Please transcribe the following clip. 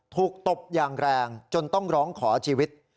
ตบอย่างแรงจนต้องร้องขอชีวิต